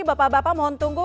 bapak bapak mohon tunggu